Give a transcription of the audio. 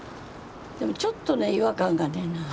でもちょっとね違和感がね。